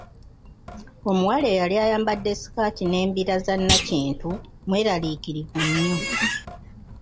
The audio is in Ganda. Omuwala eyali ayambade sikaati n'embira za Nakintu mweraliikirivu nnyo.